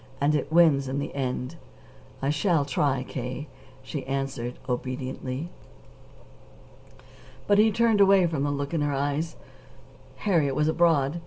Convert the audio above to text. And it wins in the end." "I shall try, K.," she answered obediently. But he turned away from the look in her eyes. Harriet was abroad.